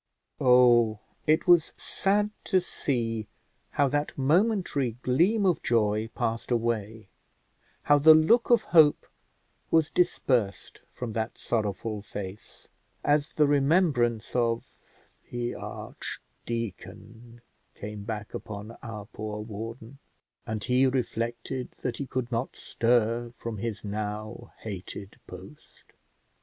Oh, it was sad to see how that momentary gleam of joy passed away; how the look of hope was dispersed from that sorrowful face, as the remembrance of the archdeacon came back upon our poor warden, and he reflected that he could not stir from his now hated post.